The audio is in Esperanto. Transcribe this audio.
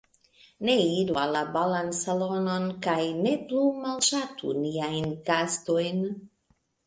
Ni iru en la balan salonon kaj ne plu malŝatu niajn gastojn.